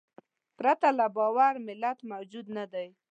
پرته له باور ملت موجود نهدی.